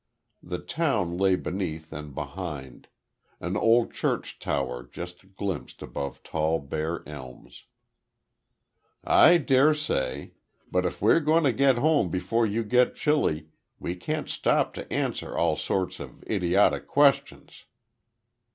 The town lay beneath and behind; an old church tower just glimpsed above tall bare elms. "I dare say. But if we are going to get home before you get chilly, we can't stop to answer all sorts of idiotic questions."